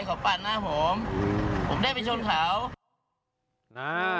เขาปาดหน้าผมผมได้ไปชนเขาอ่า